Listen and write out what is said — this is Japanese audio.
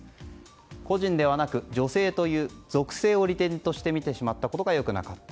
個人ではなく、女性という属性を利点として見てしまったことが良くなかった。